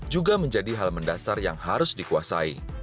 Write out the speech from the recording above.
juga menjadi hal mendasar yang harus dikuasai